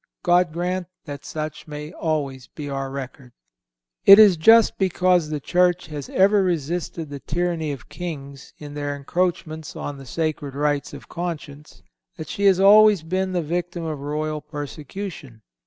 God grant that such may always be our record! It is just because the Church has ever resisted the tyranny of kings, in their encroachments on the sacred rights of conscience, that she has always been the victim of royal persecution.